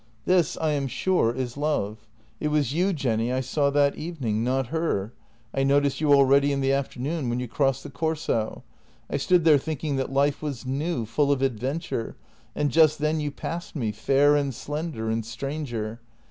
" This, I am sure, is love. It was you, Jenny, I saw that evening — not her. I noticed you already in the afternoon when you crossed the Corso. I stood there thinking that life was new, full of adventure, and just then you passed me, fair and slender, and stranger.